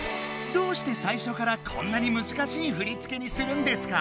どうしてさいしょからこんなに難しい振り付けにするんですか？